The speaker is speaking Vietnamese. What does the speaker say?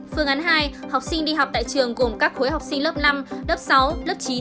phương án hai học sinh đi học tại trường gồm các khối học sinh lớp năm lớp sáu lớp chín lớp một mươi